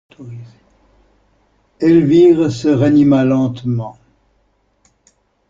Elvire se ranima lentement.